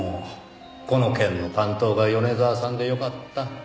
この件の担当が米沢さんでよかった。